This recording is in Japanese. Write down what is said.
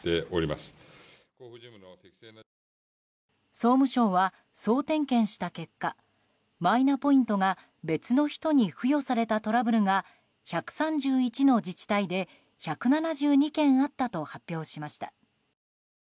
総務省は、総点検した結果マイナポイントが別の人に付与されたトラブルが１３１の自治体で１７２件あったと発表しました。